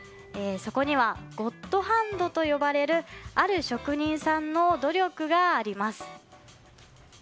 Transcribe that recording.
そこにはゴッドハンドと呼ばれるある職人さんの努力があります。